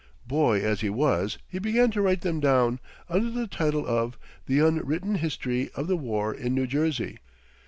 Boy as he was, he began to write them down, under the title of "The Unwritten History of the War in New Jersey."